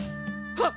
はっ！